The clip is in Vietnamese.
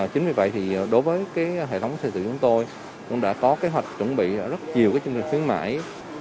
chính vì vậy thì đối với hệ thống xây dựng chúng tôi cũng đã có kế hoạch chuẩn bị rất nhiều chương trình khuyến mãi